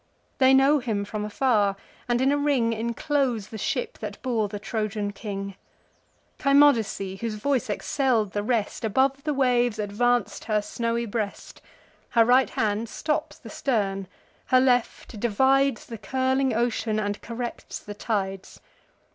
They know him from afar; and in a ring Enclose the ship that bore the Trojan king. Cymodoce, whose voice excell'd the rest, Above the waves advanc'd her snowy breast; Her right hand stops the stern; her left divides The curling ocean, and corrects the tides.